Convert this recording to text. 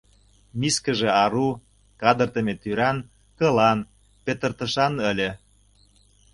Мискыже ару, кадыртыме тӱран, кылан, петыртышан ыле.